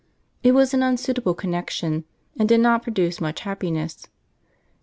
It was an unsuitable connexion, and did not produce much happiness.